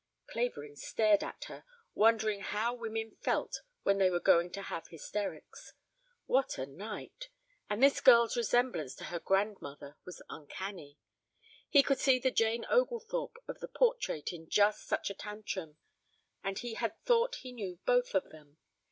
Clavering stared at her, wondering how women felt when they were going to have hysterics. What a night! And this girl's resemblance to her grandmother was uncanny. He could see the Jane Oglethorpe of the portrait in just such a tantrum. And he had thought he knew both of them.